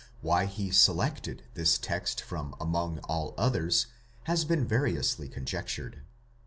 Why he selected this text from among all others has been variously conjectured.